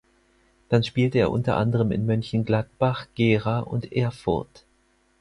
Dann spielte er unter anderem in Mönchengladbach, Gera und Erfurt.